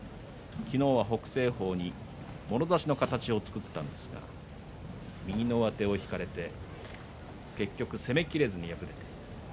昨日は北青鵬にもろ差しの形を作ったんですが右の上手を引かれて結局攻めきれずに敗れました。